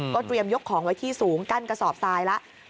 เตรียมยกของไว้ที่สูงกั้นกระสอบทรายแล้ว